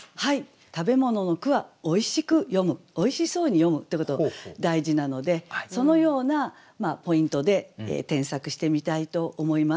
食べ物の句はおいしく詠むおいしそうに詠むということ大事なのでそのようなポイントで添削してみたいと思います。